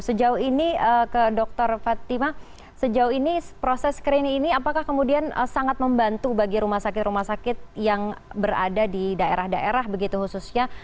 sejauh ini ke dr fatima sejauh ini proses screening ini apakah kemudian sangat membantu bagi rumah sakit rumah sakit yang berada di daerah daerah begitu khususnya